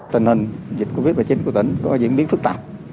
tình hình dịch covid một mươi chín của tỉnh có diễn biến phức tạp